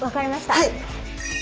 はい！